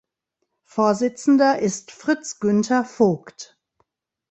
Vorsitzender ist Fritz-Günther Vogt.